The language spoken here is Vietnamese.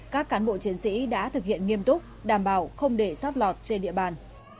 các cán bộ chiến sĩ đã thực hiện nghiêm túc đảm bảo không để sót lọt trên địa bàn